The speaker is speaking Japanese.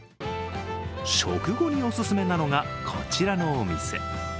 食後におすすめなのがこちらのお店。